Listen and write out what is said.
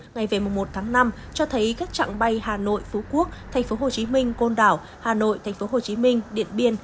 ngày về một tháng năm cho thấy các trạng bay hà nội phú quốc tp hcm côn đảo hà nội tp hcm điện biên